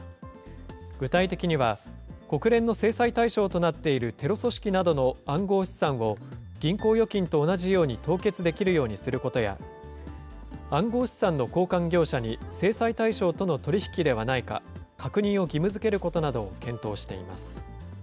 具体的には、国連の制裁対象となっているテロ組織などの暗号資産を、銀行預金と同じように凍結できるようにすることや、暗号資産の交換業者に、制裁対象との取り引きではないかかくにんをぎむづけることなどを検討しています。